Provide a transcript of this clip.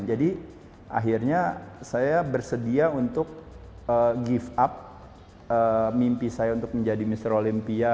jadi akhirnya saya bersedia untuk give up mimpi saya untuk menjadi mr olympia